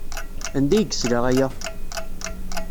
Anda ay yesla aya?